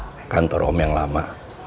di kantor om yang lama